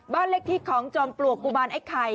บ้านเลขที่ของจอมปลวกกุมารไอ้ไข่